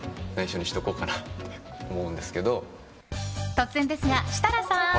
突然ですが、設楽さん。